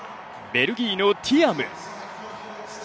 ベルギーのティアム。